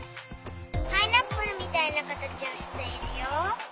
パイナップルみたいなかたちをしているよ。